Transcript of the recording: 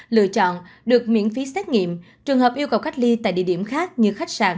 lựa chọn được miễn phí xét nghiệm trường hợp yêu cầu cách ly tại địa điểm khác như khách sạn